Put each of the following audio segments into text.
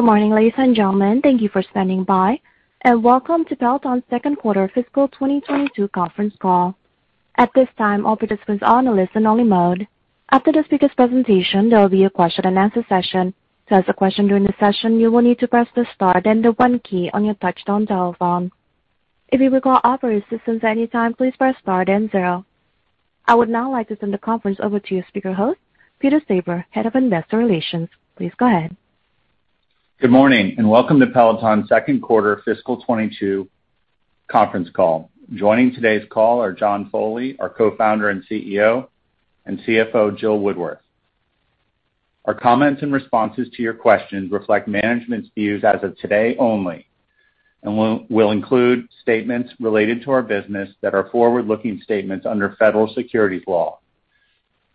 Good morning, ladies and gentlemen. Thank you for standing by, and welcome to Peloton's second quarter fiscal 2022 Conference Call. At this time, all participants are in a listen-only mode. After the speaker's presentation, there will be a question-and-answer session. To ask a question during the session, you will need to press the star then the one key on your touchtone telephone. If you require operator assistance at any time, please press star then zero. I would now like to turn the conference over to your speaker host, Peter Stern, Head of Investor Relations. Please go ahead. Good morning, and welcome to Peloton's second quarter fiscal 2022 conference call. Joining today's call are John Foley, our Co-founder and CEO, and CFO, Jill Woodworth. Our comments and responses to your questions reflect management's views as of today only, and will include statements related to our business that are forward-looking statements under federal securities law.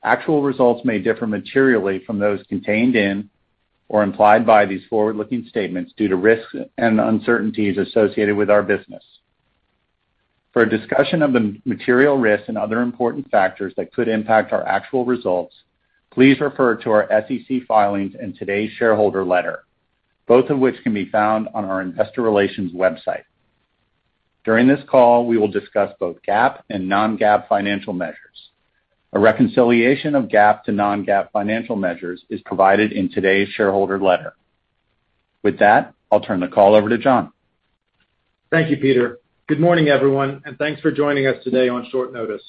Actual results may differ materially from those contained in or implied by these forward-looking statements due to risks and uncertainties associated with our business. For a discussion of the material risks and other important factors that could impact our actual results, please refer to our SEC filings and today's shareholder letter, both of which can be found on our investor relations website. During this call, we will discuss both GAAP and non-GAAP financial measures. A reconciliation of GAAP to non-GAAP financial measures is provided in today's shareholder letter. With that, I'll turn the call over to John. Thank you, Peter. Good morning, everyone, and thanks for joining us today on short notice.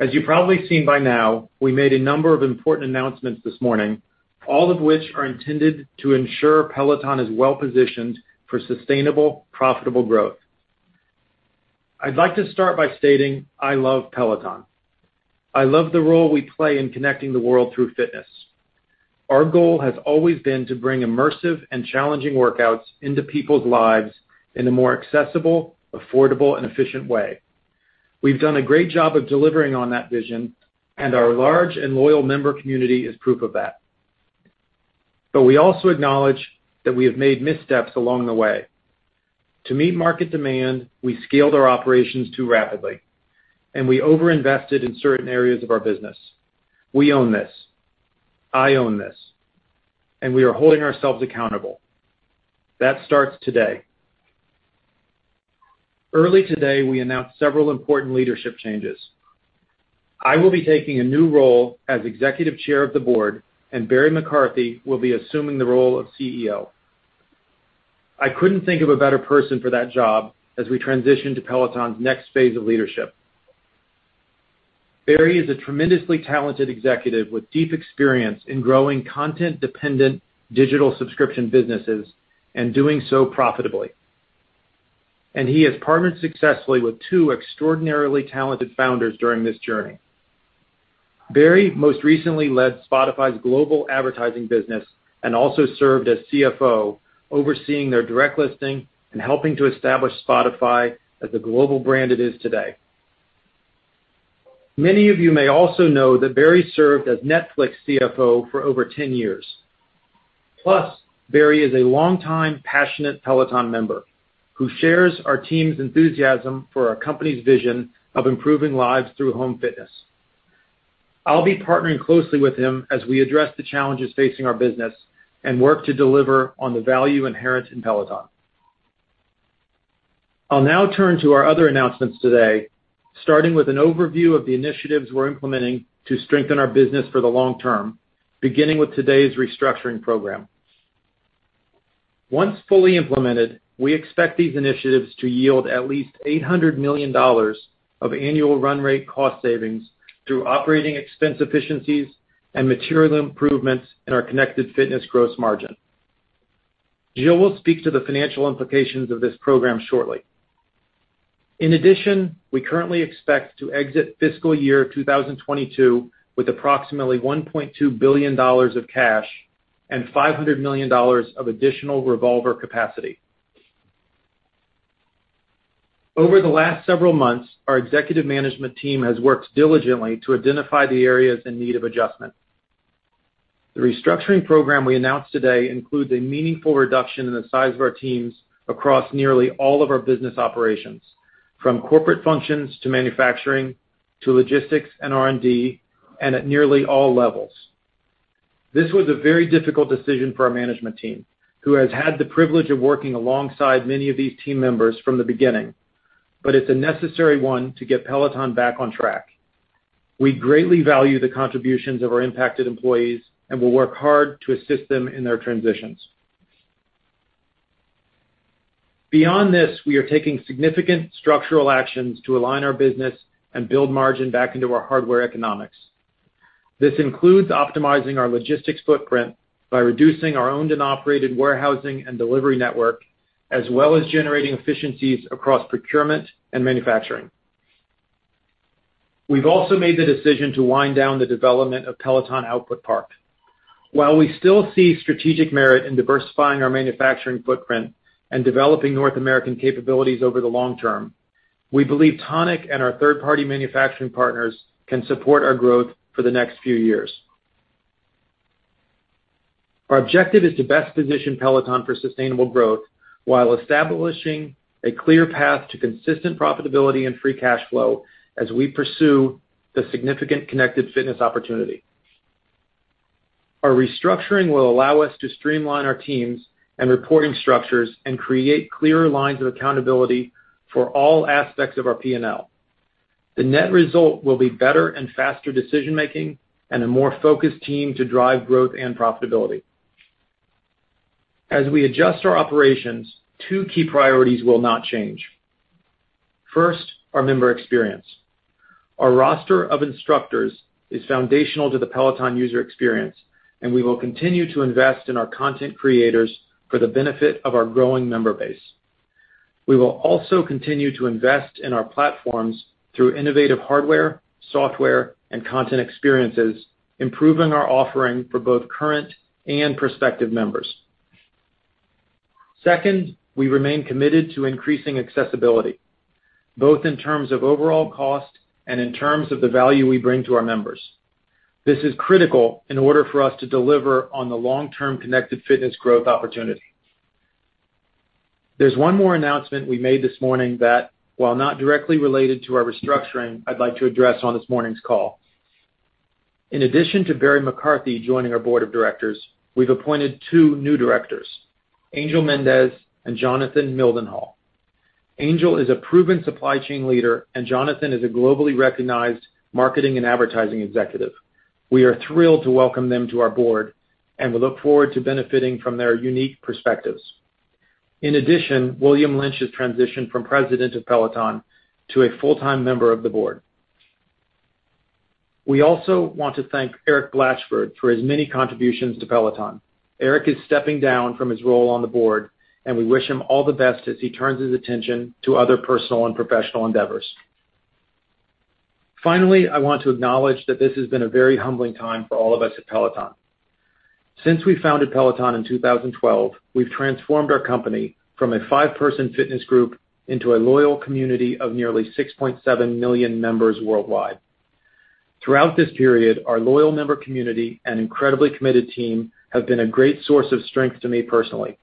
As you've probably seen by now, we made a number of important announcements this morning, all of which are intended to ensure Peloton is well-positioned for sustainable, profitable growth. I'd like to start by stating I love Peloton. I love the role we play in connecting the world through fitness. Our goal has always been to bring immersive and challenging workouts into people's lives in a more accessible, affordable, and efficient way. We've done a great job of delivering on that vision, and our large and loyal member community is proof of that. We also acknowledge that we have made missteps along the way. To meet market demand, we scaled our operations too rapidly, and we overinvested in certain areas of our business. We own this. I own this. We are holding ourselves accountable. That starts today. Early today, we announced several important leadership changes. I will be taking a new role as Executive Chair of the Board, and Barry McCarthy will be assuming the role of CEO. I couldn't think of a better person for that job as we transition to Peloton's next phase of leadership. Barry is a tremendously talented executive with deep experience in growing content-dependent digital subscription businesses and doing so profitably. He has partnered successfully with two extraordinarily talented founders during this journey. Barry most recently led Spotify's global advertising business and also served as CFO, overseeing their direct listing and helping to establish Spotify as the global brand it is today. Many of you may also know that Barry served as Netflix CFO for over 10 years. Plus, Barry is a longtime passionate Peloton member who shares our team's enthusiasm for our company's vision of improving lives through home fitness. I'll be partnering closely with him as we address the challenges facing our business and work to deliver on the value inherent in Peloton. I'll now turn to our other announcements today, starting with an overview of the initiatives we're implementing to strengthen our business for the long-term, beginning with today's restructuring program. Once fully implemented, we expect these initiatives to yield at least $800 million of annual run rate cost savings through operating expense efficiencies and material improvements in our connected fitness gross margin. Jill will speak to the financial implications of this program shortly. In addition, we currently expect to exit fiscal year 2022 with approximately $1.2 billion of cash and $500 million of additional revolver capacity. Over the last several months, our executive management team has worked diligently to identify the areas in need of adjustment. The restructuring program we announced today includes a meaningful reduction in the size of our teams across nearly all of our business operations, from corporate functions to manufacturing to logistics and R&D, and at nearly all levels. This was a very difficult decision for our management team, who has had the privilege of working alongside many of these team members from the beginning, but it's a necessary one to get Peloton back on track. We greatly value the contributions of our impacted employees and will work hard to assist them in their transitions. Beyond this, we are taking significant structural actions to align our business and build margin back into our hardware economics. This includes optimizing our logistics footprint by reducing our owned and operated warehousing and delivery network, as well as generating efficiencies across procurement and manufacturing. We've also made the decision to wind down the development of Peloton Output Park. While we still see strategic merit in diversifying our manufacturing footprint and developing North American capabilities over the long-term, we believe Tonic and our third-party manufacturing partners can support our growth for the next few years. Our objective is to best position Peloton for sustainable growth while establishing a clear path to consistent profitability and free cash flow as we pursue the significant connected fitness opportunity. Our restructuring will allow us to streamline our teams and reporting structures and create clearer lines of accountability for all aspects of our P&L. The net result will be better and faster decision-making and a more focused team to drive growth and profitability. As we adjust our operations, two key priorities will not change. First, our member experience. Our roster of instructors is foundational to the Peloton user experience, and we will continue to invest in our content creators for the benefit of our growing member base. We will also continue to invest in our platforms through innovative hardware, software and content experiences, improving our offering for both current and prospective members. Second, we remain committed to increasing accessibility, both in terms of overall cost and in terms of the value we bring to our members. This is critical in order for us to deliver on the long-term connected fitness growth opportunity. There's one more announcement we made this morning that, while not directly related to our restructuring, I'd like to address on this morning's call. In addition to Barry McCarthy joining our board of directors, we've appointed two new directors, Angel Mendez and Jonathan Mildenhall. Angel is a proven supply chain leader, and Jonathan is a globally recognized marketing and advertising executive. We are thrilled to welcome them to our board, and we look forward to benefiting from their unique perspectives. In addition, William Lynch has transitioned from President of Peloton to a full-time member of the board. We also want to thank Erik Blachford for his many contributions to Peloton. Erik is stepping down from his role on the board, and we wish him all the best as he turns his attention to other personal and professional endeavors. Finally, I want to acknowledge that this has been a very humbling time for all of us at Peloton. Since we founded Peloton in 2012, we've transformed our company from a five-person fitness group into a loyal community of nearly 6.7 million members worldwide. Throughout this period, our loyal member community and incredibly committed team have been a great source of strength to me personally.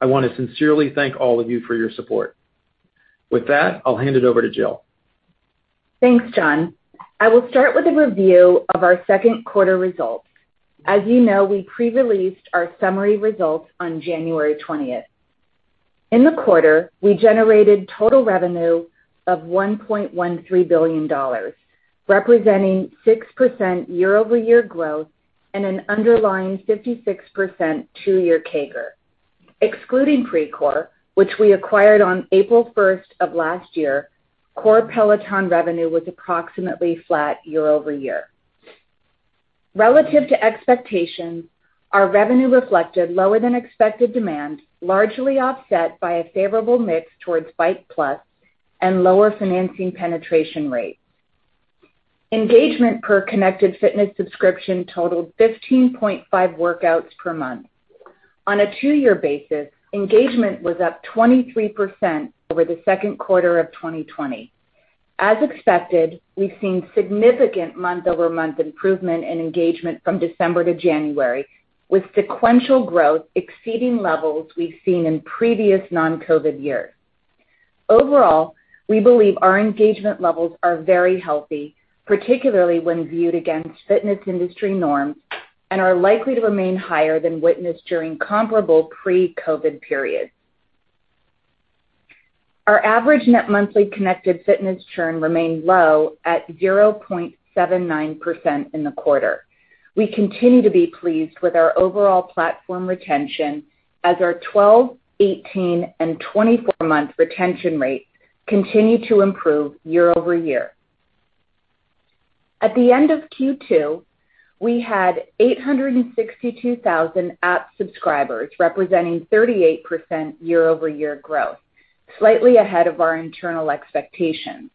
I want to sincerely thank all of you for your support. With that, I'll hand it over to Jill. Thanks, John. I will start with a review of our second quarter results. As you know, we pre-released our summary results on January 20th. In the quarter, we generated total revenue of $1.13 billion, representing 6% year-over-year growth and an underlying 56% two-year CAGR. Excluding Precor, which we acquired on April 1st of last year, core Peloton revenue was approximately flat year-over-year. Relative to expectations, our revenue reflected lower than expected demand, largely offset by a favorable mix towards Bike+ and lower financing penetration rates. Engagement per connected fitness subscription totaled 15.5 workouts per month. On a two-year basis, engagement was up 23% over the second quarter of 2020. As expected, we've seen significant month-over-month improvement in engagement from December to January, with sequential growth exceeding levels we've seen in previous non-COVID years. Overall, we believe our engagement levels are very healthy, particularly when viewed against fitness industry norms, and are likely to remain higher than witnessed during comparable pre-COVID periods. Our average net monthly connected fitness churn remained low at 0.79% in the quarter. We continue to be pleased with our overall platform retention as our 12-, 18-, and 24-month retention rates continue to improve year-over-year. At the end of Q2, we had 862,000 App subscribers, representing 38% year-over-year growth, slightly ahead of our internal expectations.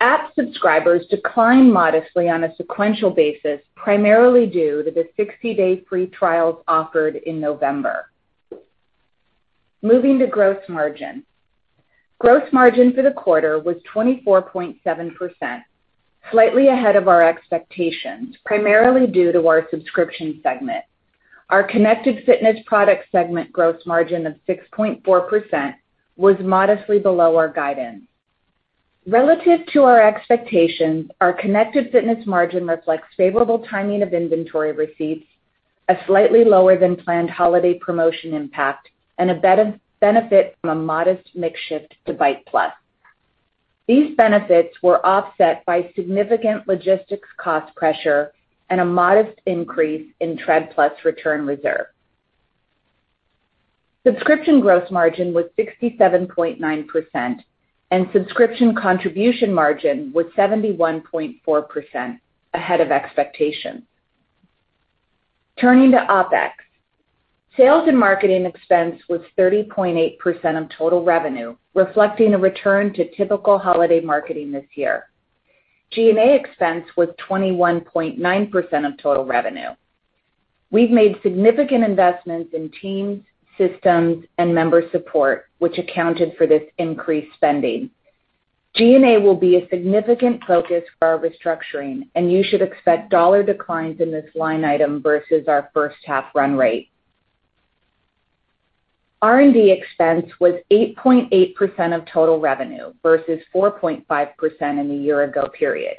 App subscribers declined modestly on a sequential basis, primarily due to the 60-day free trials offered in November. Moving to gross margin. Gross margin for the quarter was 24.7%, slightly ahead of our expectations, primarily due to our subscription segment. Our Connected Fitness product segment gross margin of 6.4% was modestly below our guidance. Relative to our expectations, our Connected Fitness margin reflects favorable timing of inventory receipts, a slightly lower than planned holiday promotion impact, and a benefit from a modest mix shift to Bike+. These benefits were offset by significant logistics cost pressure and a modest increase in Tread+ return reserve. Subscription gross margin was 67.9%, and subscription contribution margin was 71.4% ahead of expectations. Turning to OpEx. Sales and marketing expense was 30.8% of total revenue, reflecting a return to typical holiday marketing this year. G&A expense was 21.9% of total revenue. We've made significant investments in teams, systems, and member support, which accounted for this increased spending. G&A will be a significant focus for our restructuring, and you should expect dollar declines in this line item versus our first half run rate. R&D expense was 8.8% of total revenue versus 4.5% in the year ago period.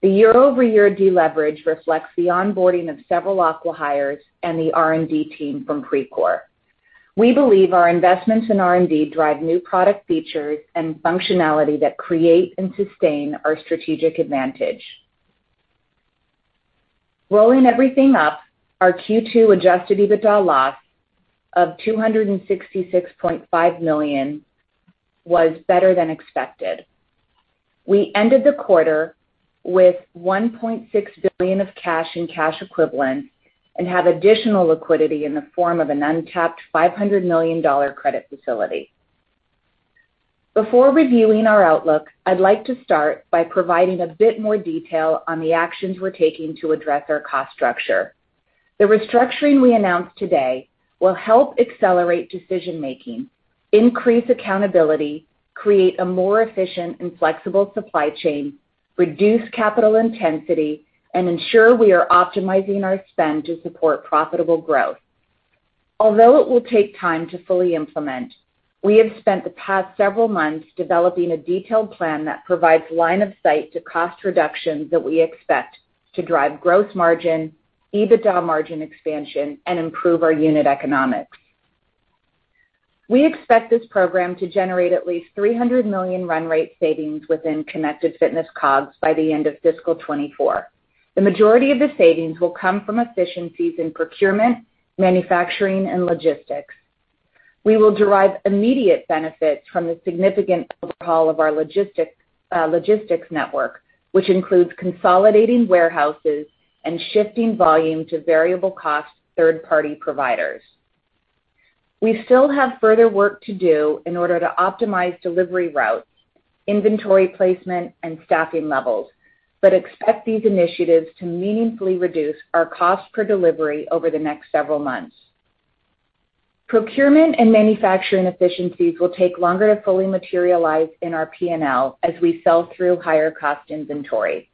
The year-over-year deleverage reflects the onboarding of several acquihires and the R&D team from Precor. We believe our investments in R&D drive new product features and functionality that create and sustain our strategic advantage. Rolling everything up, our Q2 adjusted EBITDA loss of $266.5 million was better than expected. We ended the quarter with $1.6 billion of cash and cash equivalents and have additional liquidity in the form of an untapped $500 million credit facility. Before reviewing our outlook, I'd like to start by providing a bit more detail on the actions we're taking to address our cost structure. The restructuring we announced today will help accelerate decision-making, increase accountability, create a more efficient and flexible supply chain, reduce capital intensity, and ensure we are optimizing our spend to support profitable growth. Although it will take time to fully implement, we have spent the past several months developing a detailed plan that provides line of sight to cost reductions that we expect to drive gross margin, EBITDA margin expansion, and improve our unit economics. We expect this program to generate at least $300 million run rate savings within connected fitness COGS by the end of fiscal 2024. The majority of the savings will come from efficiencies in procurement, manufacturing, and logistics. We will derive immediate benefits from the significant overhaul of our logistics network, which includes consolidating warehouses and shifting volume to variable cost third-party providers. We still have further work to do in order to optimize delivery routes, inventory placement, and staffing levels, but expect these initiatives to meaningfully reduce our cost per delivery over the next several months. Procurement and manufacturing efficiencies will take longer to fully materialize in our P&L as we sell through higher cost inventory.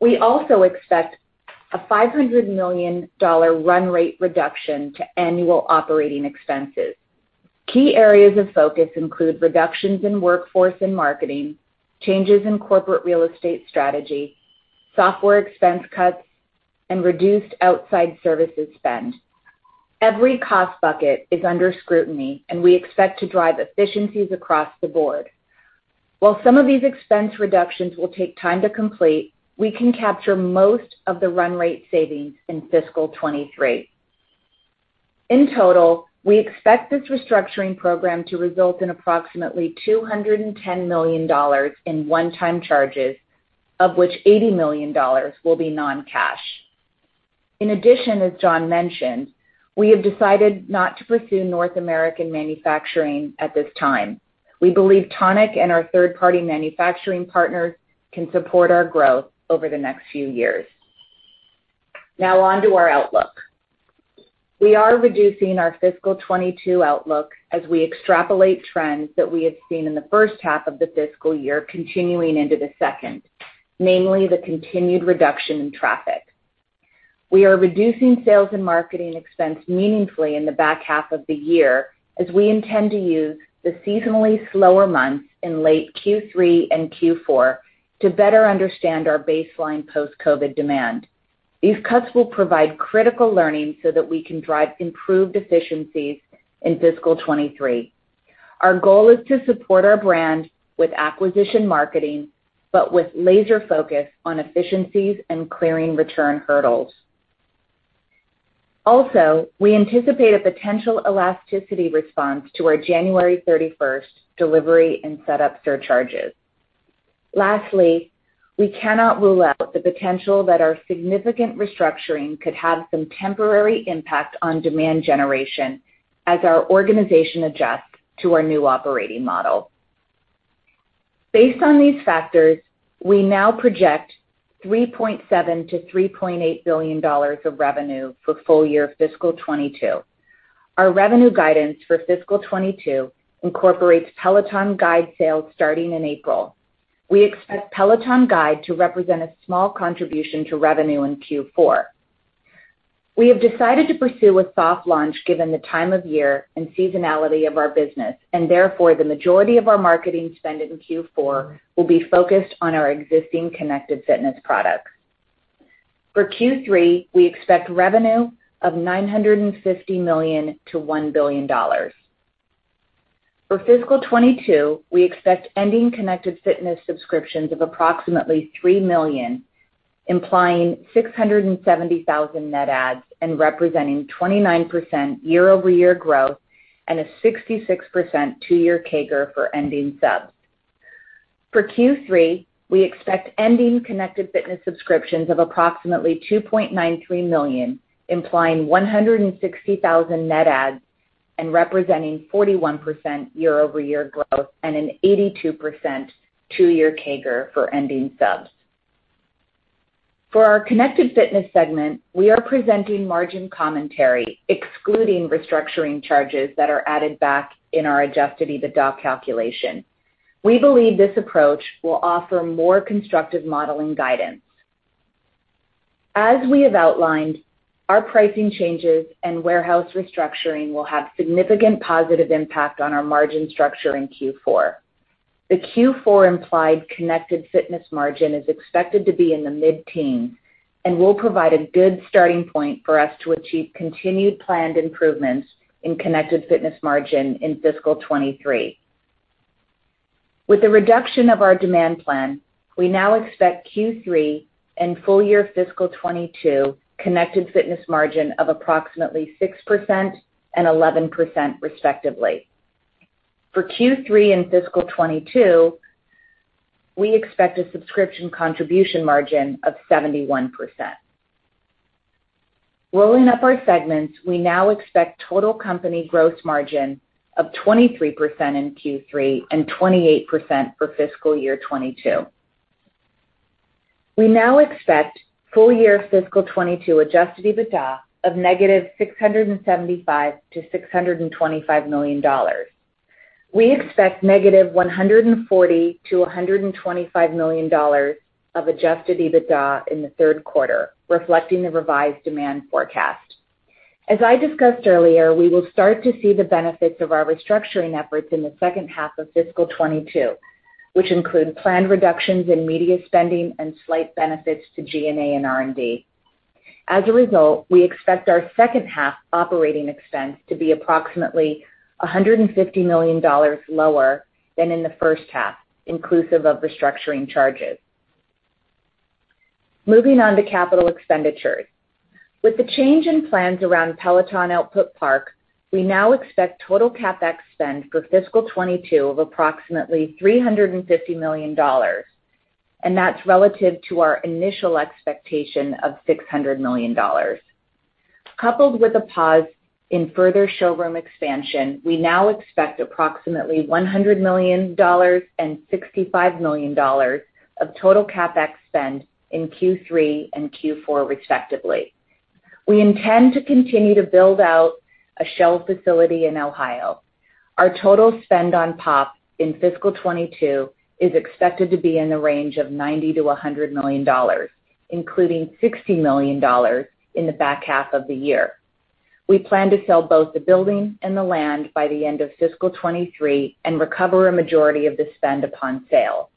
We also expect a $500 million run rate reduction to annual operating expenses. Key areas of focus include reductions in workforce and marketing, changes in corporate real estate strategy, software expense cuts, and reduced outside services spend. Every cost bucket is under scrutiny, and we expect to drive efficiencies across the board. While some of these expense reductions will take time to complete, we can capture most of the run rate savings in fiscal 2023. In total, we expect this restructuring program to result in approximately $210 million in one-time charges, of which $80 million will be non-cash. In addition, as John mentioned, we have decided not to pursue North American manufacturing at this time. We believe Tonic and our third-party manufacturing partners can support our growth over the next few years. Now on to our outlook. We are reducing our fiscal 2022 outlook as we extrapolate trends that we have seen in the first half of the fiscal year continuing into the second, namely the continued reduction in traffic. We are reducing sales and marketing expense meaningfully in the back half of the year as we intend to use the seasonally slower months in late Q3 and Q4 to better understand our baseline post-COVID demand. These cuts will provide critical learning so that we can drive improved efficiencies in fiscal 2023. Our goal is to support our brand with acquisition marketing, but with laser focus on efficiencies and clearing return hurdles. Also, we anticipate a potential elasticity response to our January 31st delivery and setup surcharges. Lastly, we cannot rule out the potential that our significant restructuring could have some temporary impact on demand generation as our organization adjusts to our new operating model. Based on these factors, we now project $3.7 billion-$3.8 billion of revenue for full year fiscal 2022. Our revenue guidance for fiscal 2022 incorporates Peloton Guide sales starting in April. We expect Peloton Guide to represent a small contribution to revenue in Q4. We have decided to pursue a soft launch given the time of year and seasonality of our business. Therefore, the majority of our marketing spend in Q4 will be focused on our existing connected fitness products. For Q3, we expect revenue of $950 million-$1 billion. For fiscal 2022, we expect ending connected fitness subscriptions of approximately three million, implying 670,000 net adds and representing 29% year-over-year growth and a 66% two-year CAGR for ending subs. For Q3, we expect ending connected fitness subscriptions of approximately 2.93 million, implying 160,000 net adds and representing 41% year-over-year growth and an 82% two-year CAGR for ending subs. For our connected fitness segment, we are presenting margin commentary excluding restructuring charges that are added back in our adjusted EBITDA calculation. We believe this approach will offer more constructive modeling guidance. As we have outlined, our pricing changes and warehouse restructuring will have significant positive impact on our margin structure in Q4. The Q4 implied connected fitness margin is expected to be in the mid-teens and will provide a good starting point for us to achieve continued planned improvements in connected fitness margin in fiscal 2023. With the reduction of our demand plan, we now expect Q3 and full year FY 2022 connected fitness margin of approximately 6% and 11% respectively. For Q3 and FY 2022, we expect a subscription contribution margin of 71%. Rolling up our segments, we now expect total company gross margin of 23% in Q3 and 28% for FY 2022. We now expect full year FY 2022 adjusted EBITDA of -$675 million-$625 million. We expect -$140 million-$125 million of adjusted EBITDA in the third quarter, reflecting the revised demand forecast. As I discussed earlier, we will start to see the benefits of our restructuring efforts in the second half of FY 2022, which include planned reductions in media spending and slight benefits to G&A and R&D. As a result, we expect our second half operating expense to be approximately $150 million lower than in the first half, inclusive of restructuring charges. Moving on to capital expenditures. With the change in plans around Peloton Output Park, we now expect total CapEx spend for fiscal 2022 of approximately $350 million, and that's relative to our initial expectation of $600 million. Coupled with a pause in further showroom expansion, we now expect approximately $100 million and $65 million of total CapEx spend in Q3 and Q4 respectively. We intend to continue to build out a shell facility in Ohio. Our total spend on POP in fiscal 2022 is expected to be in the range of $90 million to $100 million, including $60 million in the back half of the year. We plan to sell both the building and the land by the end of fiscal 2023 and recover a majority of the spend upon sale.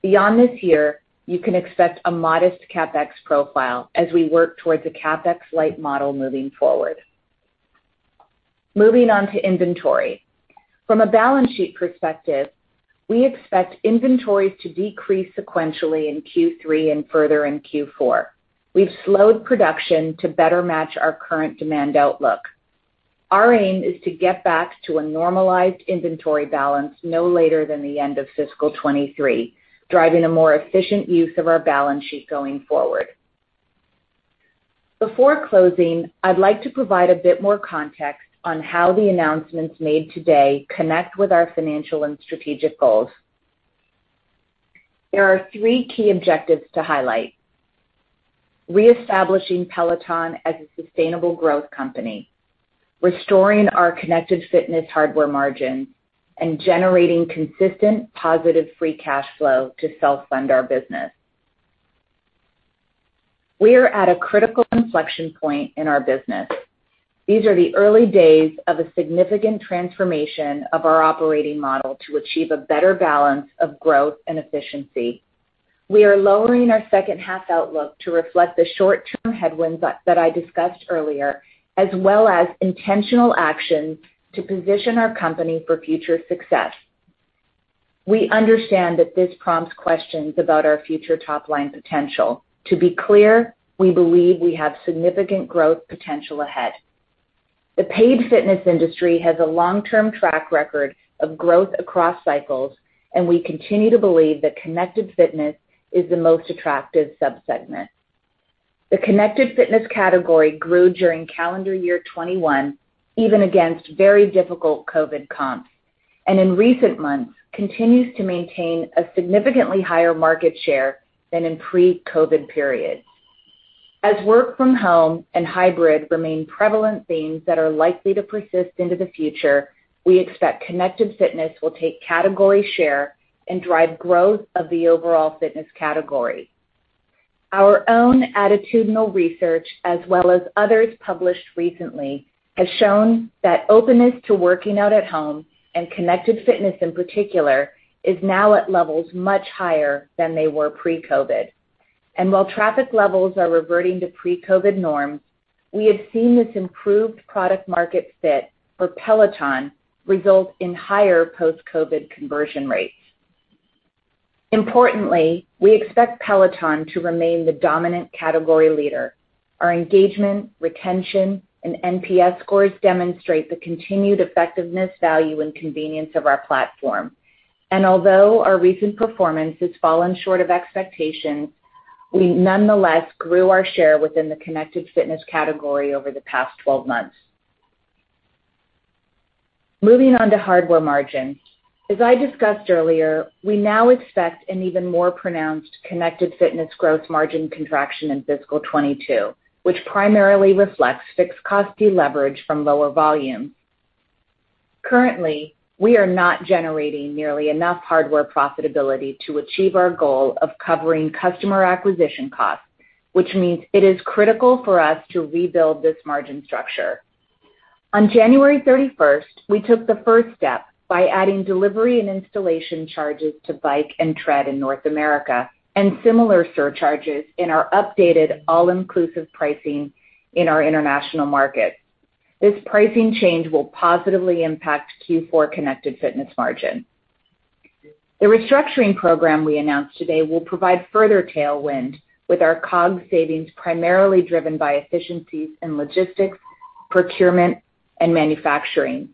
Beyond this year, you can expect a modest CapEx profile as we work towards a CapEx-light model moving forward. Moving on to inventory. From a balance sheet perspective, we expect inventories to decrease sequentially in Q3 and further in Q4. We've slowed production to better match our current demand outlook. Our aim is to get back to a normalized inventory balance no later than the end of fiscal 2023, driving a more efficient use of our balance sheet going forward. Before closing, I'd like to provide a bit more context on how the announcements made today connect with our financial and strategic goals. There are three key objectives to highlight. Reestablishing Peloton as a sustainable growth company, restoring our connected fitness hardware margin, and generating consistent positive free cash flow to self-fund our business. We are at a critical inflection point in our business. These are the early days of a significant transformation of our operating model to achieve a better balance of growth and efficiency. We are lowering our second half outlook to reflect the short-term headwinds that I discussed earlier, as well as intentional actions to position our company for future success. We understand that this prompts questions about our future top line potential. To be clear, we believe we have significant growth potential ahead. The paid fitness industry has a long-term track record of growth across cycles, and we continue to believe that connected fitness is the most attractive sub-segment. The connected fitness category grew during calendar year 2021, even against very difficult COVID comps, and in recent months continues to maintain a significantly higher market share than in pre-COVID periods. As work from home and hybrid remain prevalent themes that are likely to persist into the future, we expect connected fitness will take category share and drive growth of the overall fitness category. Our own attitudinal research, as well as others published recently, has shown that openness to working out at home and connected fitness in particular, is now at levels much higher than they were pre-COVID. While traffic levels are reverting to pre-COVID norms, we have seen this improved product market fit for Peloton result in higher post-COVID conversion rates. Importantly, we expect Peloton to remain the dominant category leader. Our engagement, retention, and NPS scores demonstrate the continued effectiveness, value, and convenience of our platform. Although our recent performance has fallen short of expectations, we nonetheless grew our share within the connected fitness category over the past 12 months. Moving on to hardware margin. As I discussed earlier, we now expect an even more pronounced connected fitness growth margin contraction in fiscal 2022, which primarily reflects fixed cost deleverage from lower volume. Currently, we are not generating nearly enough hardware profitability to achieve our goal of covering customer acquisition costs, which means it is critical for us to rebuild this margin structure. On January 31st, we took the first step by adding delivery and installation charges to Bike and Tread in North America, and similar surcharges in our updated all-inclusive pricing in our international markets. This pricing change will positively impact Q4 connected fitness margin. The restructuring program we announced today will provide further tailwind with our COGS savings primarily driven by efficiencies in logistics, procurement, and manufacturing.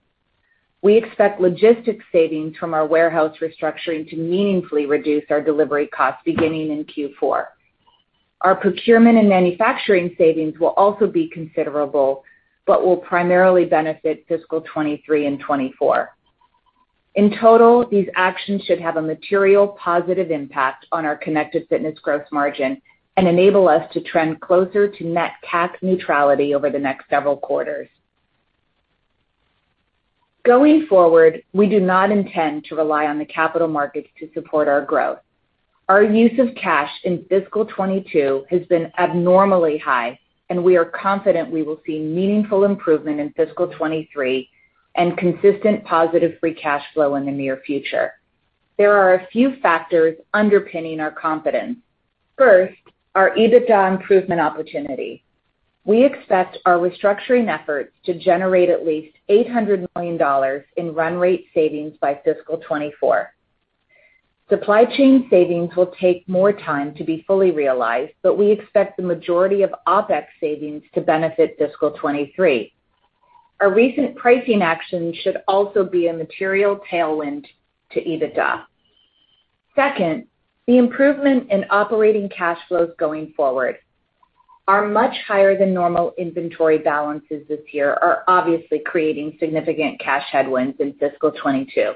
We expect logistics savings from our warehouse restructuring to meaningfully reduce our delivery costs beginning in Q4. Our procurement and manufacturing savings will also be considerable, but will primarily benefit fiscal 2023 and 2024. In total, these actions should have a material positive impact on our connected fitness gross margin and enable us to trend closer to net cash neutrality over the next several quarters. Going forward, we do not intend to rely on the capital markets to support our growth. Our use of cash in fiscal 2022 has been abnormally high, and we are confident we will see meaningful improvement in fiscal 2023 and consistent positive free cash flow in the near future. There are a few factors underpinning our confidence. First, our EBITDA improvement opportunity. We expect our restructuring efforts to generate at least $800 million in run rate savings by fiscal 2024. Supply chain savings will take more time to be fully realized, but we expect the majority of OpEx savings to benefit fiscal 2023. Our recent pricing actions should also be a material tailwind to EBITDA. Second, the improvement in operating cash flows going forward. Our much higher than normal inventory balances this year are obviously creating significant cash headwinds in fiscal 2022.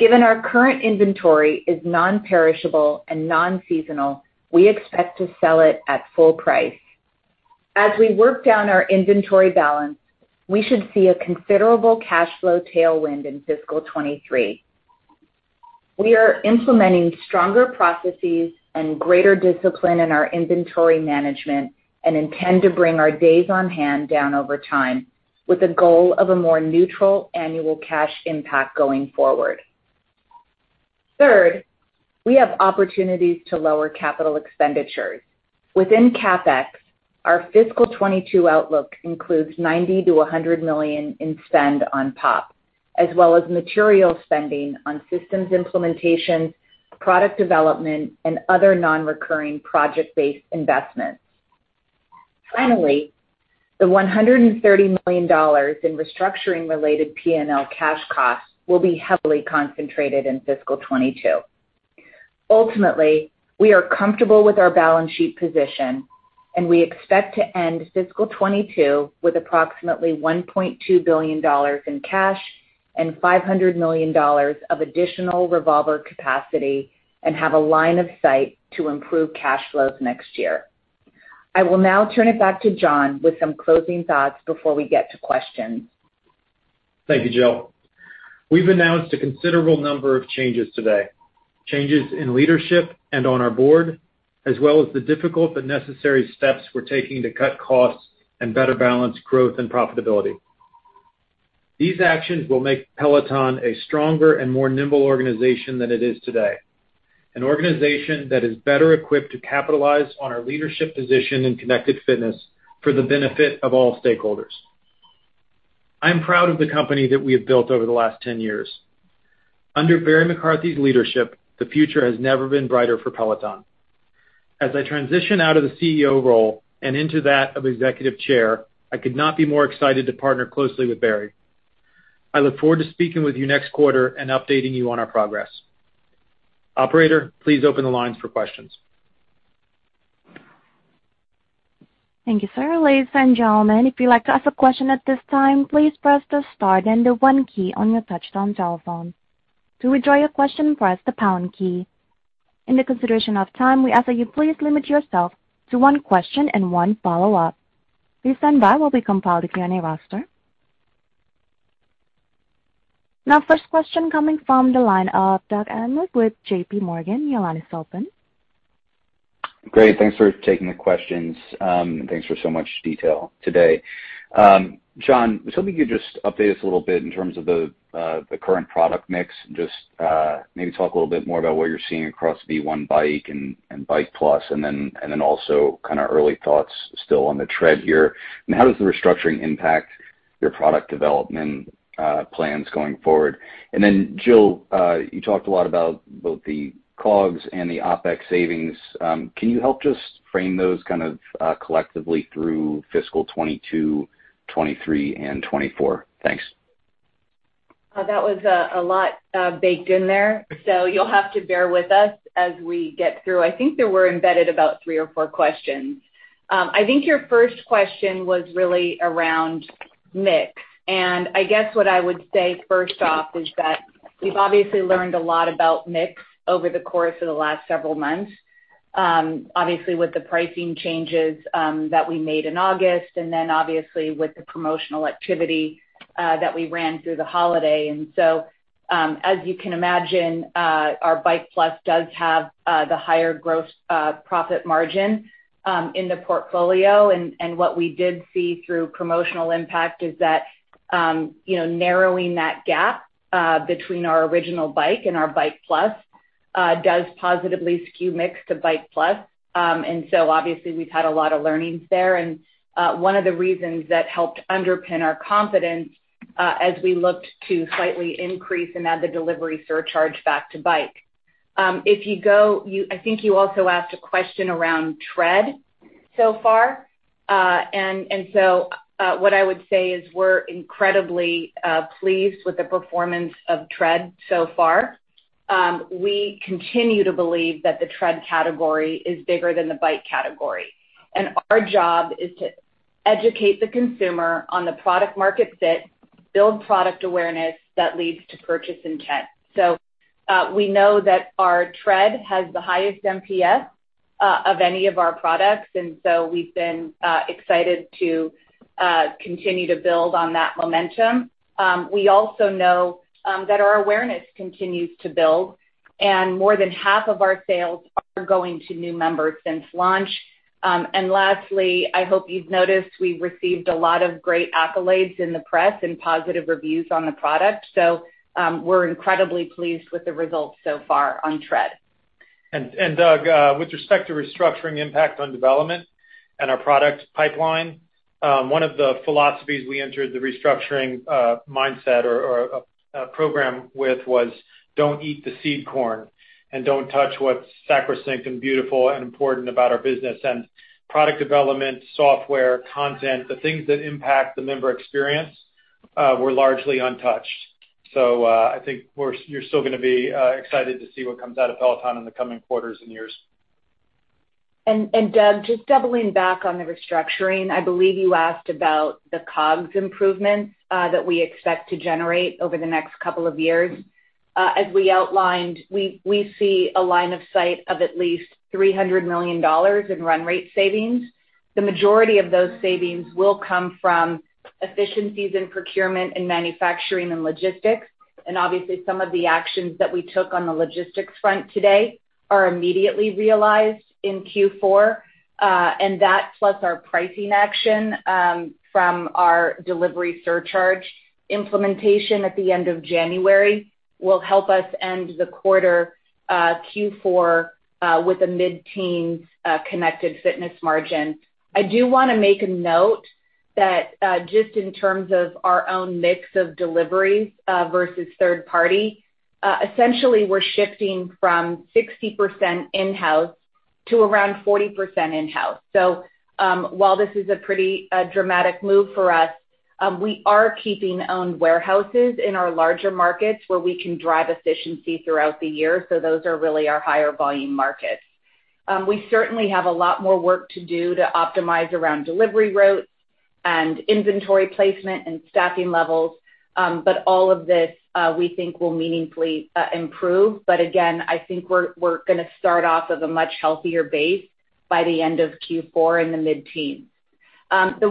Given our current inventory is non-perishable and non-seasonal, we expect to sell it at full price. As we work down our inventory balance, we should see a considerable cash flow tailwind in fiscal 2023. We are implementing stronger processes and greater discipline in our inventory management and intend to bring our days on hand down over time with a goal of a more neutral annual cash impact going forward. Third, we have opportunities to lower capital expenditures. Within CapEx, our fiscal 2022 outlook includes $90 million-$100 million in spend on POP, as well as material spending on systems implementation, product development, and other non-recurring project-based investments. Finally, the $130 million in restructuring related P&L cash costs will be heavily concentrated in fiscal 2022. Ultimately, we are comfortable with our balance sheet position, and we expect to end fiscal 2022 with approximately $1.2 billion in cash and $500 million of additional revolver capacity and have a line of sight to improve cash flows next year. I will now turn it back to John with some closing thoughts before we get to questions. Thank you, Jill. We've announced a considerable number of changes today, changes in leadership and on our board, as well as the difficult but necessary steps we're taking to cut costs and better balance growth and profitability. These actions will make Peloton a stronger and more nimble organization than it is today. An organization that is better equipped to capitalize on our leadership position in connected fitness for the benefit of all stakeholders. I'm proud of the company that we have built over the last 10 years. Under Barry McCarthy's leadership, the future has never been brighter for Peloton. As I transition out of the CEO role and into that of Executive Chair, I could not be more excited to partner closely with Barry. I look forward to speaking with you next quarter and updating you on our progress. Operator, please open the lines for questions. Thank you, sir. Now first question coming from the line of Doug Anmuth with JPMorgan. Your line is open. Great. Thanks for taking the questions, and thanks for so much detail today. John, was hoping you could just update us a little bit in terms of the current product mix. Just maybe talk a little bit more about what you're seeing across the Original Bike and Bike+, and then also kinda early thoughts still on the Tread here. How does the restructuring impact your product development plans going forward? Jill, you talked a lot about both the COGS and the OpEx savings. Can you help just frame those kind of collectively through fiscal 2022, 2023 and 2024? Thanks. That was a lot baked in there, so you'll have to bear with us as we get through. I think there were embedded about three or four questions. I think your first question was really around mix. I guess what I would say first off is that we've obviously learned a lot about mix over the course of the last several months, obviously with the pricing changes that we made in August and then obviously with the promotional activity that we ran through the holiday. As you can imagine, our Bike+ does have the higher gross profit margin in the portfolio. What we did see through promotional impact is that, you know, narrowing that gap between our Original Bike and our Bike+ does positively skew mix to Bike+. Obviously we've had a lot of learnings there. One of the reasons that helped underpin our confidence as we looked to slightly increase and add the delivery surcharge back to Bike. I think you also asked a question around Tread so far. What I would say is we're incredibly pleased with the performance of Tread so far. We continue to believe that the Tread category is bigger than the Bike category. Our job is to educate the consumer on the product market fit, build product awareness that leads to purchase intent. We know that our Tread has the highest NPS of any of our products, and so we've been excited to continue to build on that momentum. We also know that our awareness continues to build, and more than half of our sales are going to new members since launch. Lastly, I hope you've noticed, we've received a lot of great accolades in the press and positive reviews on the product. We're incredibly pleased with the results so far on Tread. Doug, with respect to restructuring impact on development and our product pipeline, one of the philosophies we entered the restructuring, mindset or program with was don't eat the seed corn and don't touch what's sacrosanct and beautiful and important about our business. Product development, software, content, the things that impact the member experience, were largely untouched. I think you're still gonna be excited to see what comes out of Peloton in the coming quarters and years. Doug, just doubling back on the restructuring. I believe you asked about the COGS improvements that we expect to generate over the next couple of years. As we outlined, we see a line of sight of at least $300 million in run rate savings. The majority of those savings will come from efficiencies in procurement and manufacturing and logistics. Obviously, some of the actions that we took on the logistics front today are immediately realized in Q4. That plus our pricing action from our delivery surcharge implementation at the end of January will help us end the quarter, Q4, with a mid-teens connected fitness margin. I do wanna make a note that just in terms of our own mix of deliveries versus third party, essentially we're shifting from 60% in-house to around 40% in-house. While this is a pretty dramatic move for us, we are keeping owned warehouses in our larger markets where we can drive efficiency throughout the year. Those are really our higher volume markets. We certainly have a lot more work to do to optimize around delivery routes and inventory placement and staffing levels. All of this we think will meaningfully improve. Again, I think we're gonna start off with a much healthier base by the end of Q4 in the mid-teens. The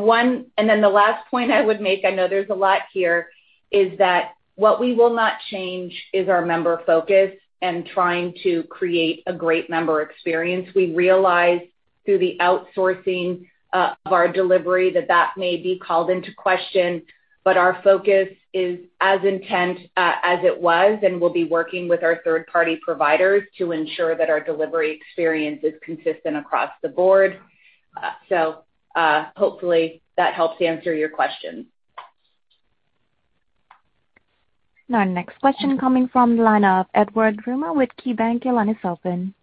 last point I would make, I know there's a lot here, is that what we will not change is our member focus and trying to create a great member experience. We realize through the outsourcing of our delivery that that may be called into question, but our focus is as intense as it was, and we'll be working with our third-party providers to ensure that our delivery experience is consistent across the board. Hopefully that helps answer your question. Our next question coming from the line of Edward Yruma with KeyBanc Capital Markets. Your line is open.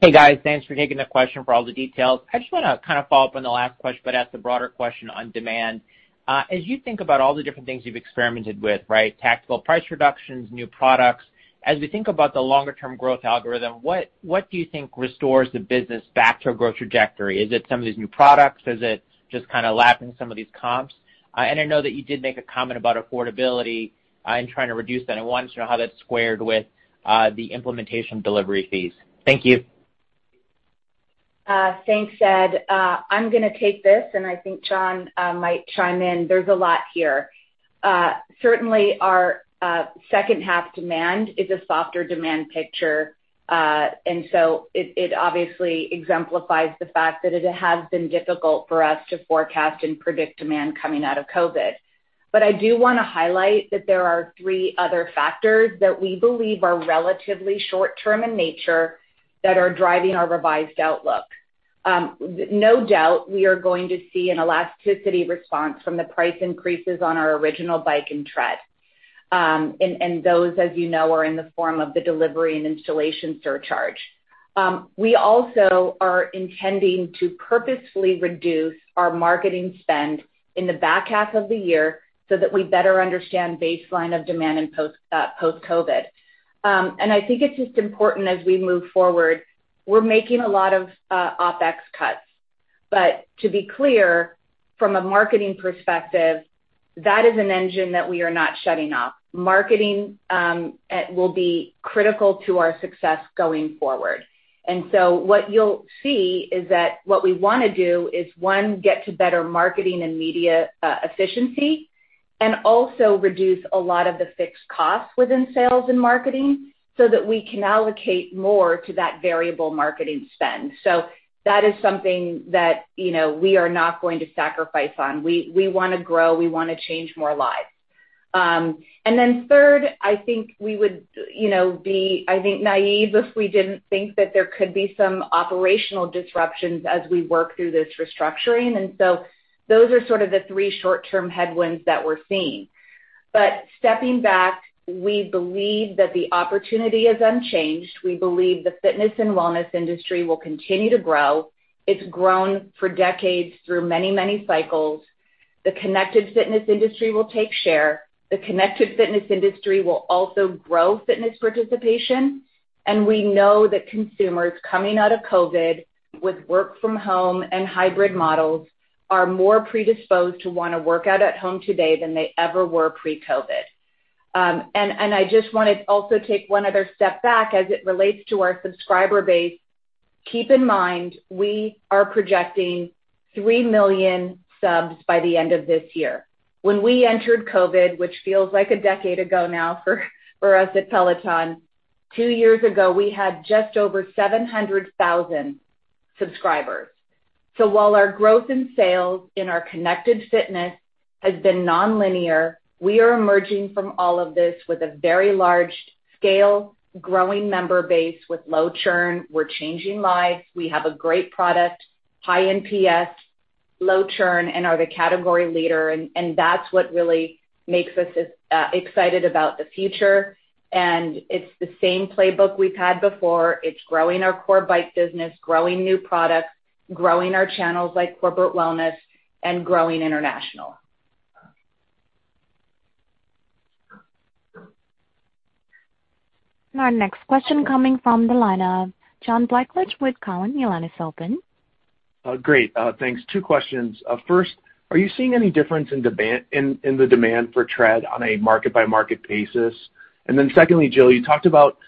Hey, guys. Thanks for taking the question, for all the details. I just wanna kind of follow up on the last question, but ask a broader question on demand. As you think about all the different things you've experimented with, right? Tactical price reductions, new products. As we think about the longer-term growth algorithm, what do you think restores the business back to a growth trajectory? Is it some of these new products? Is it just kinda lapping some of these comps? I know that you did make a comment about affordability, in trying to reduce that. I wanted to know how that's squared with the implementation delivery fees. Thank you. Thanks, Ed. I'm gonna take this, and I think John might chime in. There's a lot here. Certainly our second half demand is a softer demand picture. It obviously exemplifies the fact that it has been difficult for us to forecast and predict demand coming out of COVID. I do wanna highlight that there are three other factors that we believe are relatively short-term in nature that are driving our revised outlook. No doubt, we are going to see an elasticity response from the price increases on our Original Bike and Tread. Those, as you know, are in the form of the delivery and installation surcharge. We also are intending to purposefully reduce our marketing spend in the back half of the year so that we better understand baseline of demand in post-COVID. I think it's just important as we move forward. We're making a lot of OpEx cuts. To be clear, from a marketing perspective, that is an engine that we are not shutting off. Marketing will be critical to our success going forward. What you'll see is that what we wanna do is, one, get to better marketing and media efficiency and also reduce a lot of the fixed costs within sales and marketing so that we can allocate more to that variable marketing spend. That is something that, you know, we are not going to sacrifice on. We wanna grow. We wanna change more lives. Third, I think we would, you know, be, I think, naive if we didn't think that there could be some operational disruptions as we work through this restructuring. Those are sort of the three short-term headwinds that we're seeing. Stepping back, we believe that the opportunity is unchanged. We believe the fitness and wellness industry will continue to grow. It's grown for decades through many, many cycles. The connected fitness industry will take share. The connected fitness industry will also grow fitness participation, and we know that consumers coming out of COVID with work from home and hybrid models are more predisposed to wanna work out at home today than they ever were pre-COVID. I just wanna also take one other step back as it relates to our subscriber base. Keep in mind, we are projecting three million subs by the end of this year. When we entered COVID, which feels like a decade ago now for us at Peloton, two years ago, we had just over 700,000 subscribers. While our growth in sales in our connected fitness has been nonlinear, we are emerging from all of this with a very large scale, growing member base with low churn. We're changing lives. We have a great product, high NPS, low churn, and are the category leader, and that's what really makes us excited about the future. It's the same playbook we've had before. It's growing our core bike business, growing new products, growing our channels like corporate wellness, and growing international. Our next question coming from the line of John Blackledge with Cowen. Your line is open. Great. Thanks. Two questions. First, are you seeing any difference in the demand for Tread on a market-by-market basis? Secondly, Jill, you talked about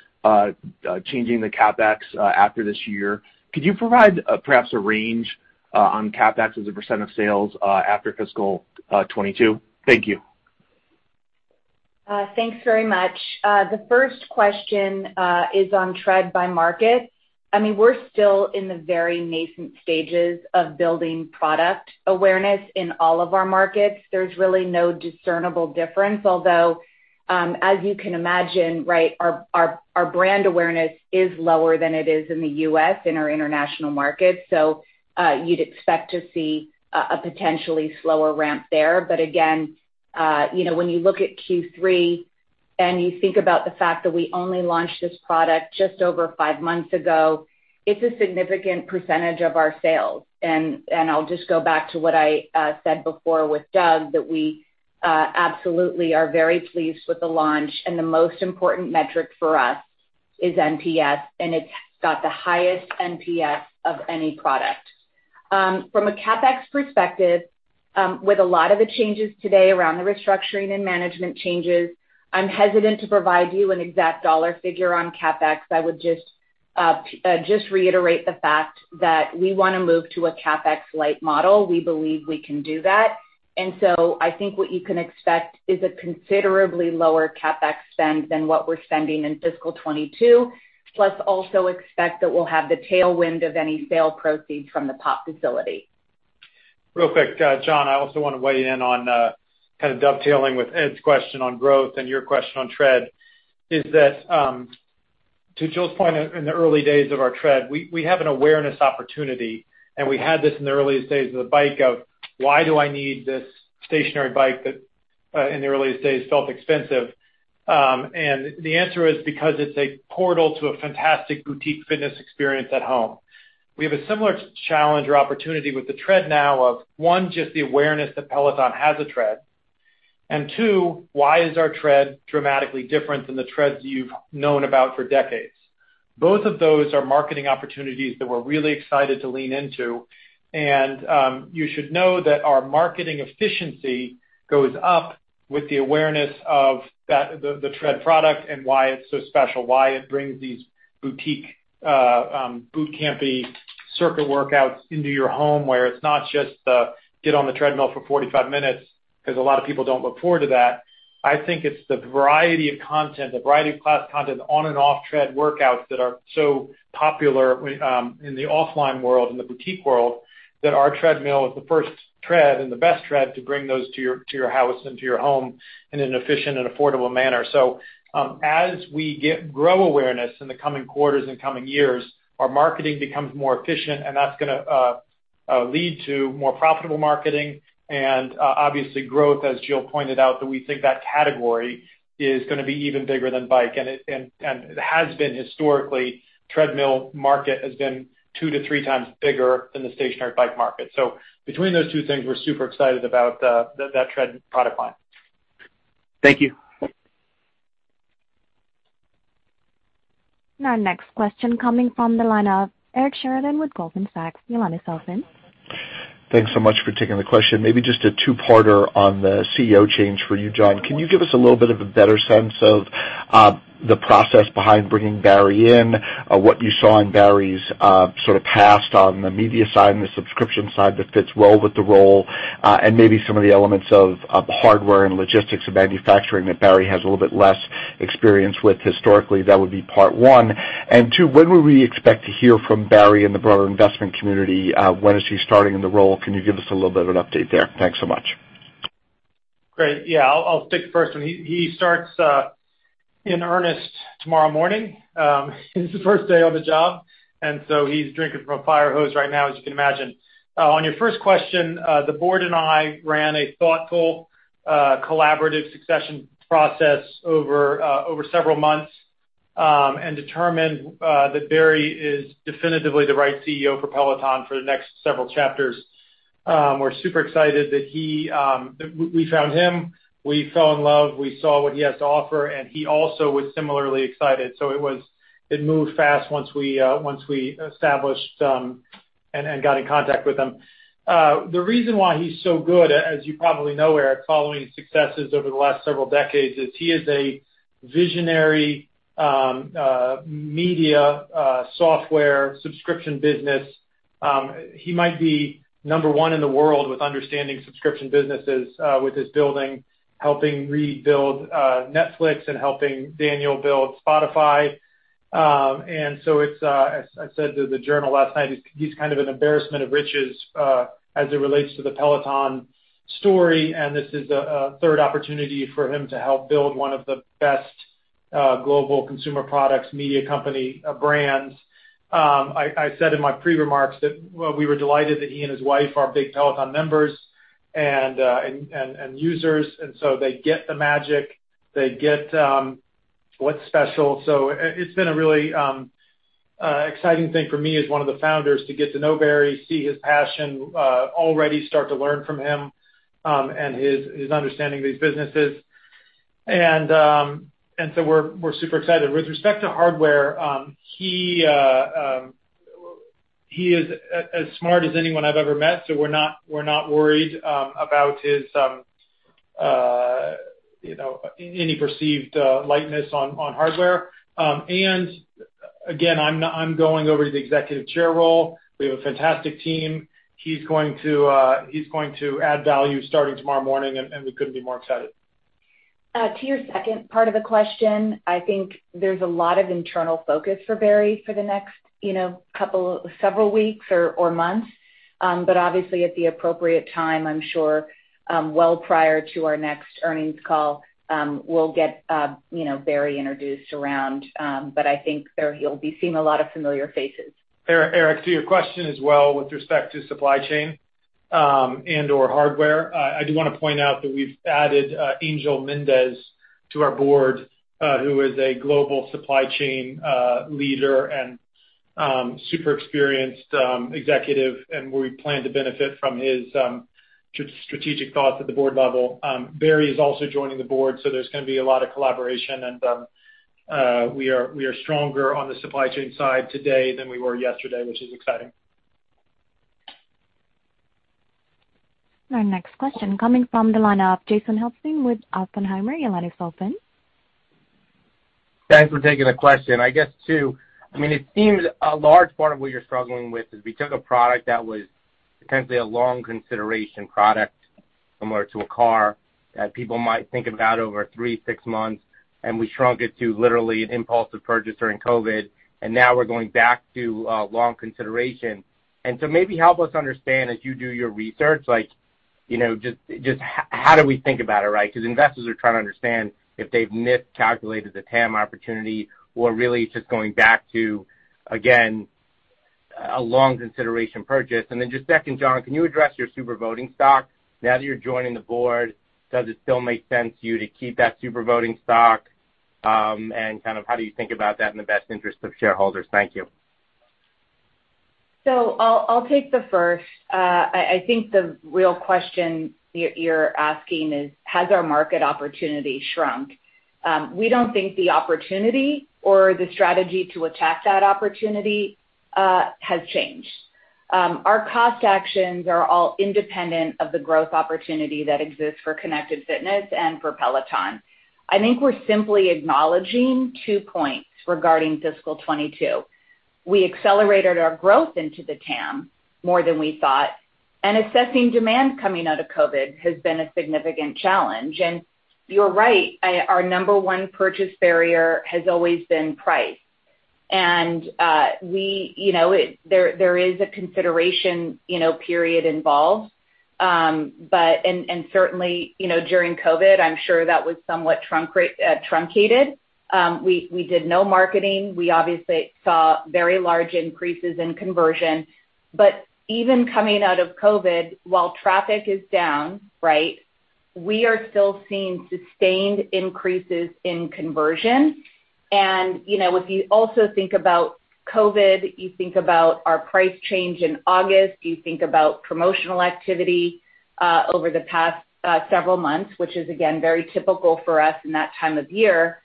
changing the CapEx after this year. Could you provide perhaps a range on CapEx as a % of sales after fiscal 2022? Thank you. Thanks very much. The first question is on Tread by market. I mean, we're still in the very nascent stages of building product awareness in all of our markets. There's really no discernible difference. Although, as you can imagine, right, our brand awareness is lower than it is in the U.S. in our international markets. You'd expect to see a potentially slower ramp there. Again, you know, when you look at Q3 and you think about the fact that we only launched this product just over five months ago, it's a significant percentage of our sales. I'll just go back to what I said before with Doug, that we absolutely are very pleased with the launch, and the most important metric for us is NPS, and it's got the highest NPS of any product. From a CapEx perspective, with a lot of the changes today around the restructuring and management changes, I'm hesitant to provide you an exact dollar figure on CapEx. I would just reiterate the fact that we wanna move to a CapEx-light model. We believe we can do that. I think what you can expect is a considerably lower CapEx spend than what we're spending in fiscal 2022, plus also expect that we'll have the tailwind of any sale proceeds from the POP facility. Real quick, John, I also wanna weigh in on kind of dovetailing with Ed's question on growth and your question on Tread, is that, to Jill's point, in the early days of our Tread, we have an awareness opportunity, and we had this in the earliest days of the bike of, why do I need this stationary bike that in the earliest days felt expensive? And the answer is because it's a portal to a fantastic boutique fitness experience at home. We have a similar challenge or opportunity with the Tread now of, one, just the awareness that Peloton has a Tread, and two, why is our Tread dramatically different than the Treads you've known about for decades? Both of those are marketing opportunities that we're really excited to lean into. You should know that our marketing efficiency goes up with the awareness of that, the Tread product and why it's so special, why it brings these boutique bootcampy circuit workouts into your home, where it's not just the get on the treadmill for 45 minutes, 'cause a lot of people don't look forward to that. I think it's the variety of content, the variety of class content on and off Tread workouts that are so popular in the offline world, in the boutique world, that our treadmill is the first Tread and the best Tread to bring those to your house and to your home in an efficient and affordable manner. As we grow awareness in the coming quarters and coming years, our marketing becomes more efficient, and that's gonna lead to more profitable marketing and obviously growth, as Jill pointed out, that we think that category is gonna be even bigger than bike. It has been historically. Treadmill market has been 2x-3x bigger than the stationary bike market. Between those two things, we're super excited about that Tread product line. Thank you. Our next question coming from the line of Eric Sheridan with Goldman Sachs. Your line is open. Thanks so much for taking the question. Maybe just a two-parter on the CEO change for you, John. Can you give us a little bit of a better sense of the process behind bringing Barry in, or what you saw in Barry's sort of past on the media side and the subscription side that fits well with the role, and maybe some of the elements of hardware and logistics and manufacturing that Barry has a little bit less experience with historically? That would be part one. Two, when would we expect to hear from Barry and the broader investment community, when is he starting in the role? Can you give us a little bit of an update there? Thanks so much. Great. Yeah. I'll take the first one. He starts in earnest tomorrow morning. It's his first day on the job, and so he's drinking from a fire hose right now, as you can imagine. On your first question, the board and I ran a thoughtful, collaborative succession process over several months, and determined that Barry is definitively the right CEO for Peloton for the next several chapters. We're super excited that we found him. We fell in love. We saw what he has to offer, and he also was similarly excited. It moved fast once we established and got in contact with him. The reason why he's so good, as you probably know, Eric, following his successes over the last several decades, is he is a visionary media software subscription business. He might be number one in the world with understanding subscription businesses, with his building, helping rebuild, Netflix and helping Daniel build Spotify. As I said to the journal last night, he's kind of an embarrassment of riches, as it relates to the Peloton story. This is a third opportunity for him to help build one of the best global consumer products media company brands. I said in my pre-remarks that we were delighted that he and his wife are big Peloton members and users, and so they get the magic. They get what's special. It's been a really exciting thing for me as one of the founders to get to know Barry, see his passion, already start to learn from him, and his understanding of these businesses. We're super excited. With respect to hardware, he is as smart as anyone I've ever met, so we're not worried about his, you know, any perceived lightness on hardware. Again, I'm going over to the executive chair role. We have a fantastic team. He's going to add value starting tomorrow morning, and we couldn't be more excited. To your second part of the question, I think there's a lot of internal focus for Barry for the next, you know, couple, several weeks or months. Obviously at the appropriate time, I'm sure, well prior to our next earnings call, we'll get, you know, Barry introduced around, but I think there he'll be seeing a lot of familiar faces. Eric, to your question as well with respect to supply chain, and/or hardware, I do wanna point out that we've added Angel Mendez to our board, who is a global supply chain leader and super experienced executive, and we plan to benefit from his strategic thoughts at the board level. Barry is also joining the board, so there's gonna be a lot of collaboration and we are stronger on the supply chain side today than we were yesterday, which is exciting. Our next question coming from the line of Jason Helfstein with Oppenheimer. Your line is open. Thanks for taking the question. I guess, too, I mean, it seems a large part of what you're struggling with is we took a product that was potentially a long consideration product, similar to a car, that people might think about over three, six months, and we shrunk it to literally an impulsive purchase during COVID, and now we're going back to long consideration. Maybe help us understand as you do your research, like, you know, just how do we think about it, right? Because investors are trying to understand if they've miscalculated the TAM opportunity or really it's just going back to, again, a long consideration purchase. Then just second, John, can you address your super voting stock? Now that you're joining the board, does it still make sense to you to keep that super voting stock? Kind of how do you think about that in the best interest of shareholders? Thank you. I'll take the first. I think the real question you're asking is, has our market opportunity shrunk? We don't think the opportunity or the strategy to attack that opportunity has changed. Our cost actions are all independent of the growth opportunity that exists for connected fitness and for Peloton. I think we're simply acknowledging two points regarding fiscal 2022. We accelerated our growth into the TAM more than we thought, and assessing demand coming out of COVID has been a significant challenge. You're right. Our number one purchase barrier has always been price. There is a consideration period involved. Certainly, during COVID, I'm sure that was somewhat truncated. We did no marketing. We obviously saw very large increases in conversion. Even coming out of COVID, while traffic is down, right, we are still seeing sustained increases in conversion. You know, if you also think about COVID, you think about our price change in August, you think about promotional activity over the past several months, which is again, very typical for us in that time of year.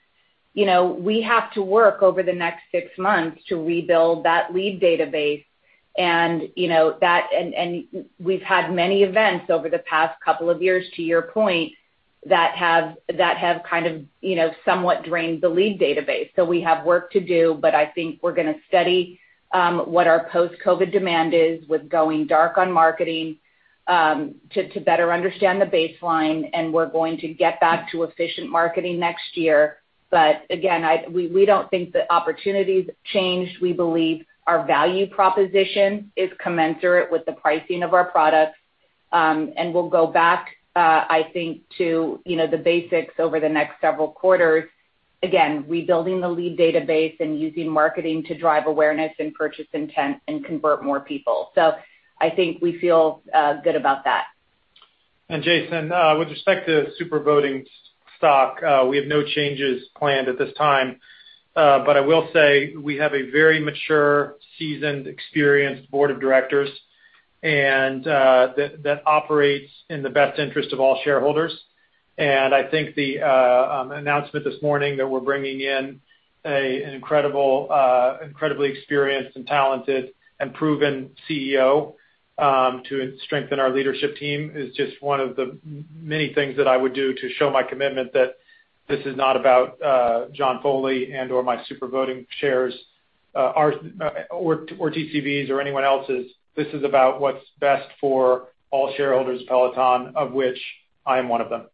You know, we have to work over the next six months to rebuild that lead database, and you know, we've had many events over the past couple of years, to your point, that have kind of you know, somewhat drained the lead database. We have work to do, but I think we're gonna study what our post-COVID demand is with going dark on marketing to better understand the baseline, and we're going to get back to efficient marketing next year. Again, we don't think the opportunity's changed. We believe our value proposition is commensurate with the pricing of our products. We'll go back, I think to, you know, the basics over the next several quarters, again, rebuilding the lead database and using marketing to drive awareness and purchase intent and convert more people. I think we feel good about that. Jason, with respect to super voting stock, we have no changes planned at this time. I will say we have a very mature, seasoned, experienced board of directors and that operates in the best interest of all shareholders. I think the announcement this morning that we're bringing in an incredible incredibly experienced and talented and proven CEO to strengthen our leadership team is just one of the many things that I would do to show my commitment that this is not about John Foley and/or my super voting shares or TCV's or anyone else's. This is about what's best for all shareholders of Peloton, of which I am one of them.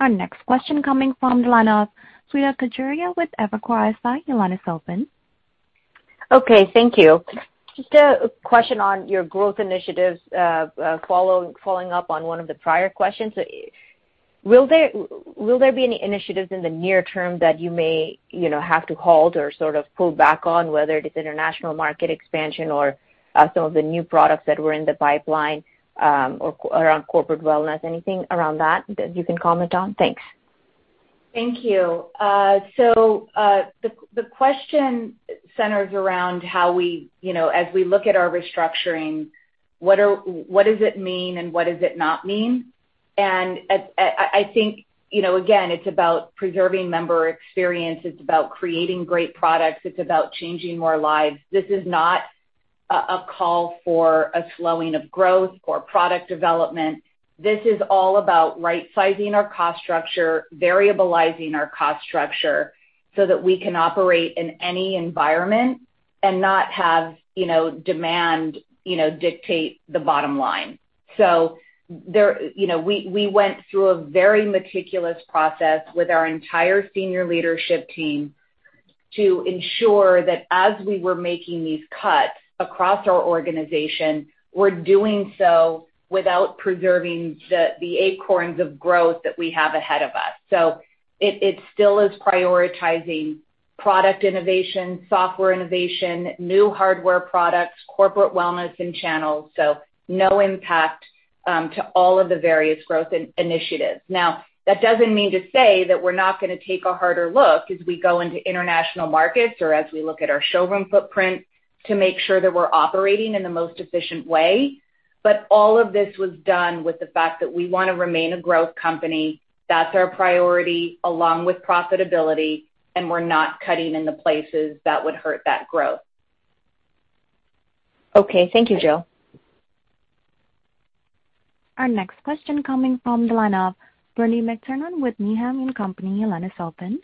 Our next question coming from the line of Shweta Khajuria with Evercore ISI. Your line is open. Okay, thank you. Just a question on your growth initiatives. Following up on one of the prior questions. Will there be any initiatives in the near-term that you may, you know, have to halt or sort of pull back on, whether it's international market expansion or some of the new products that were in the pipeline, or around corporate wellness? Anything around that that you can comment on? Thanks. Thank you. So, the question centers around how we, you know, as we look at our restructuring, what does it mean and what does it not mean? I think, you know, again, it's about preserving member experience. It's about creating great products. It's about changing more lives. This is not a call for a slowing of growth or product development. This is all about right-sizing our cost structure, variabilizing our cost structure so that we can operate in any environment and not have, you know, demand dictate the bottom line. So there, you know, we went through a very meticulous process with our entire senior leadership team to ensure that as we were making these cuts across our organization, we're doing so without preserving the acorns of growth that we have ahead of us. It still is prioritizing product innovation, software innovation, new hardware products, corporate wellness and channels. No impact to all of the various growth initiatives. Now, that doesn't mean to say that we're not gonna take a harder look as we go into international markets or as we look at our showroom footprint to make sure that we're operating in the most efficient way. All of this was done with the fact that we wanna remain a growth company. That's our priority along with profitability, and we're not cutting in the places that would hurt that growth. Okay. Thank you, Jill. Our next question coming from the line of Bernie McTernan with Needham & Company, your line is open.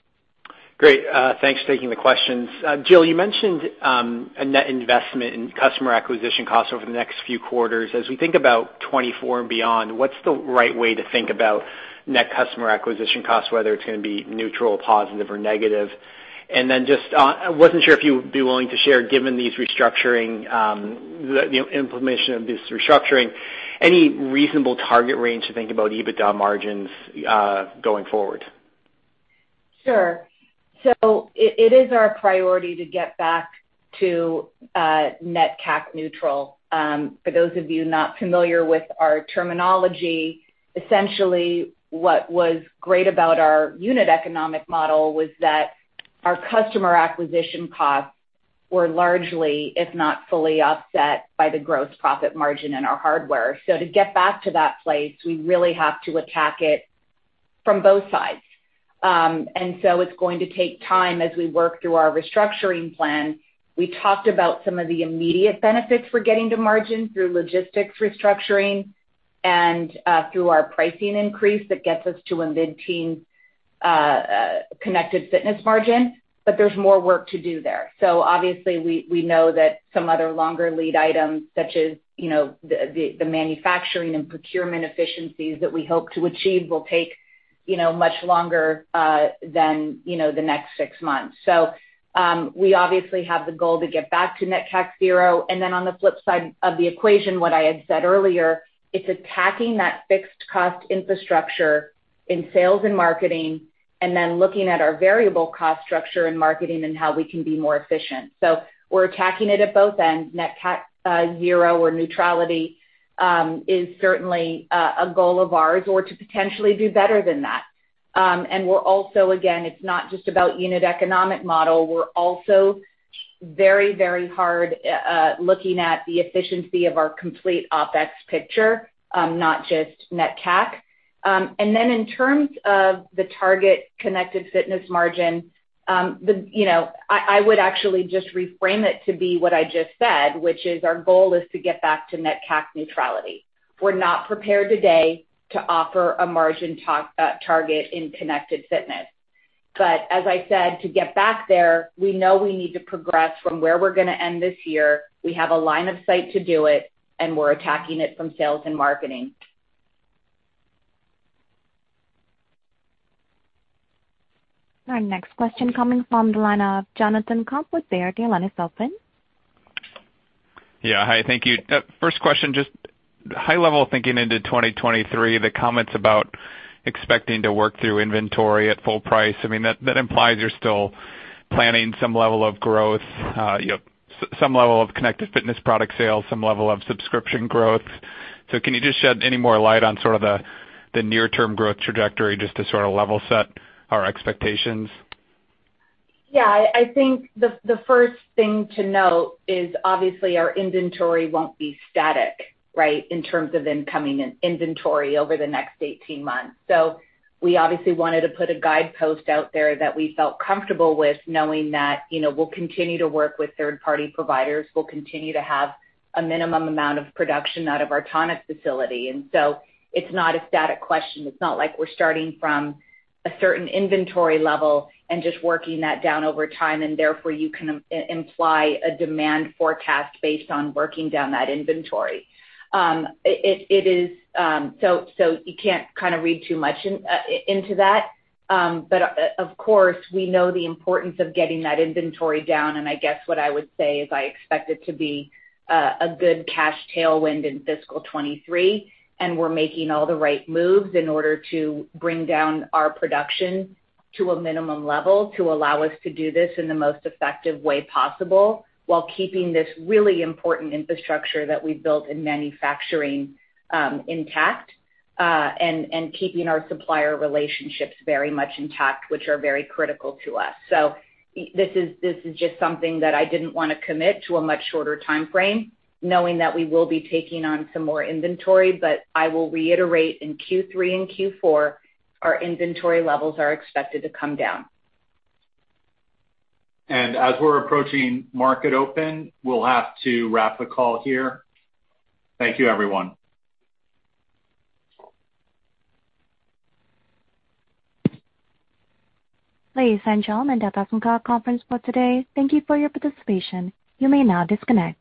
Great. Thanks for taking the questions. Jill, you mentioned a net investment in customer acquisition costs over the next few quarters. As we think about 2024 and beyond, what's the right way to think about net customer acquisition costs, whether it's gonna be neutral or positive or negative? Just, I wasn't sure if you would be willing to share, given these restructuring, the implementation of this restructuring, any reasonable target range to think about EBITDA margins, going forward? Sure. It is our priority to get back to net CAC neutral. For those of you not familiar with our terminology, essentially, what was great about our unit economic model was that our customer acquisition costs were largely, if not fully, offset by the gross profit margin in our hardware. To get back to that place, we really have to attack it from both sides. It's going to take time as we work through our restructuring plan. We talked about some of the immediate benefits for getting to margin through logistics restructuring and through our pricing increase that gets us to a mid-teen connected fitness margin. There's more work to do there. Obviously we know that some other longer lead items such as the manufacturing and procurement efficiencies that we hope to achieve will take much longer than the next six months. We obviously have the goal to get back to Net CAC zero. Then on the flip side of the equation, what I had said earlier, it's attacking that fixed cost infrastructure in sales and marketing and then looking at our variable cost structure in marketing and how we can be more efficient. We're attacking it at both ends. Net CAC zero or neutrality is certainly a goal of ours, or to potentially do better than that. We're also again, it's not just about unit economics model. We're also very hard looking at the efficiency of our complete OpEx picture, not just net CAC. Then in terms of the target connected fitness margin, you know, I would actually just reframe it to be what I just said, which is our goal is to get back to net CAC neutrality. We're not prepared today to offer a margin target in connected fitness. As I said, to get back there, we know we need to progress from where we're gonna end this year. We have a line of sight to do it, and we're attacking it from sales and marketing. Our next question coming from the line of Jonathan Komp with Baird. Your line is open. Yeah. Hi, thank you. First question, just high-level thinking into 2023, the comments about expecting to work through inventory at full price, I mean, that implies you're still planning some level of growth, you know, some level of connected fitness product sales, some level of subscription growth. Can you just shed any more light on sort of the near-term growth trajectory just to sort of level set our expectations? Yeah. I think the first thing to note is obviously our inventory won't be static, right, in terms of incoming inventory over the next 18 months. We obviously wanted to put a guidepost out there that we felt comfortable with knowing that, you know, we'll continue to work with third-party providers. We'll continue to have a minimum amount of production out of our Tonic facility. It's not a static question. It's not like we're starting from a certain inventory level and just working that down over time, and therefore you can imply a demand forecast based on working down that inventory. You can't kind of read too much into that. Of course, we know the importance of getting that inventory down, and I guess what I would say is I expect it to be a good cash tailwind in fiscal 2023, and we're making all the right moves in order to bring down our production to a minimum level to allow us to do this in the most effective way possible while keeping this really important infrastructure that we've built in manufacturing intact, and keeping our supplier relationships very much intact, which are very critical to us. This is just something that I didn't wanna commit to a much shorter timeframe, knowing that we will be taking on some more inventory. I will reiterate in Q3 and Q4, our inventory levels are expected to come down. As we're approaching market open, we'll have to wrap the call here. Thank you, everyone. Ladies and gentlemen, that does end our conference call today. Thank you for your participation. You may now disconnect.